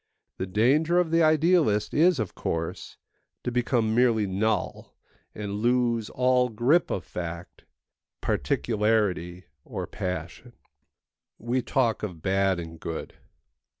The danger of the idealist is, of course, to become merely null and lose all grip of fact, particularity, or passion. We talk of bad and good.